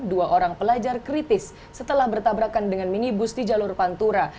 dua orang pelajar kritis setelah bertabrakan dengan minibus di jalur pantura